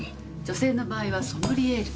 女性の場合はソムリエール。